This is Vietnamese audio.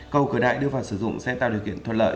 cầu cửa đại đưa vào sử dụng sẽ tạo điều kiện thuận lợi